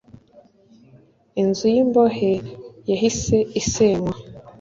inzu y’imbohe yahise isenywa.